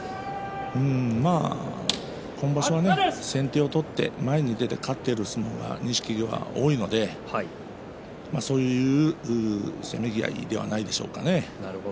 まあ今場所は先手を取って前に出て勝っている相撲が錦木は多いのでそういうせめぎ合いではないでしょうかね。